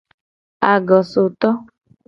Agosoto.